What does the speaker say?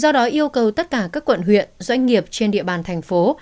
do đó yêu cầu tất cả các quận huyện doanh nghiệp trên địa bàn thành phố